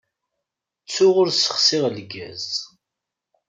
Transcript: Ttuɣ ur ssexsiɣ lgaz.